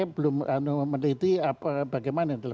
belum meneliti bagaimana